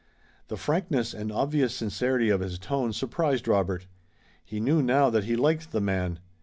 The frankness and obvious sincerity of his tone surprised Robert. He knew now that he liked the man.